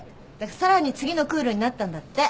さらに次のクールになったんだって。